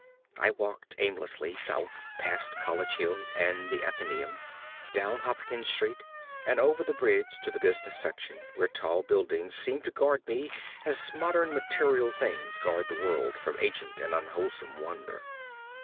I walked aimlessly south past College Hill and the Athenæum, down Hopkins Street, and over the bridge to the business section where tall buildings seemed to guard me as modern material things guard the world from ancient and unwholesome wonder.